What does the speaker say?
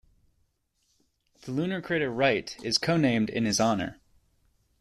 The lunar crater "Wright" is co-named in his honour.